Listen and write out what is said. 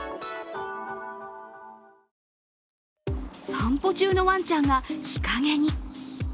散歩中のワンちゃんが、日陰に。